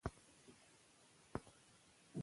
ملالۍ به تل یادېږي.